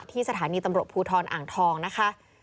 สถานีตำรวจภูทรอ่างทองนะคะ